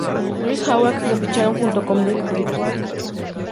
Louis Hawks lo ficharon junto con Bill Bridges.